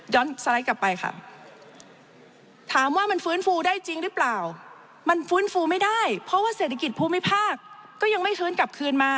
สไลด์กลับไปค่ะถามว่ามันฟื้นฟูได้จริงหรือเปล่ามันฟื้นฟูไม่ได้เพราะว่าเศรษฐกิจภูมิภาคก็ยังไม่ฟื้นกลับคืนมา